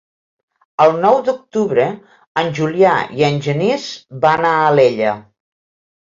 El nou d'octubre en Julià i en Genís van a Alella.